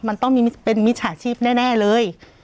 มันต้องมีเป็นมิจฉาชีพแน่เลย